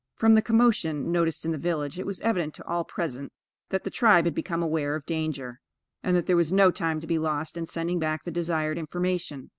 From the commotion noticed in the village, it was evident to all present that the tribe had become aware of danger, and that there was no time to be lost in sending back the desired information.